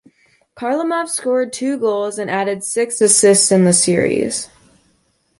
Kharlamov scored two goals and added six assists in the series.